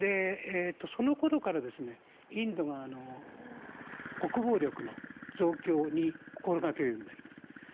その頃からインドが国防力の増強を心掛けるようになります。